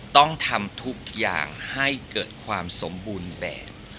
ต้องทำทุกอย่างให้เกิดความสมบูรณ์แบบ